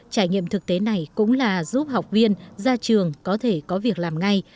trải nghiệm thực tế này cũng là giúp học viên ra trường có thể có việc làm ngay